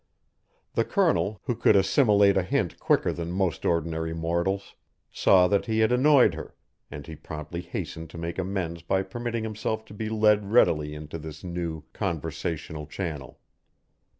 The Colonel, who could assimilate a hint quicker than most ordinary mortals, saw that he had annoyed her, and he promptly hastened to make amends by permitting himself to be led readily into this new conversational channel.